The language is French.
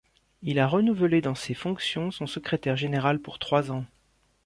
Il a renouvelé dans ses fonctions son secrétaire général pour trois ans.